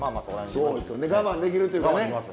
そうですよね我慢できるというかね。